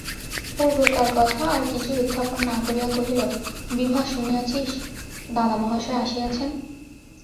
পূর্বকার কথা আর কিছু উত্থাপন না করিয়া কহিল, বিভা শুনিয়াছিস, দাদামহাশয় আসিয়াছেন?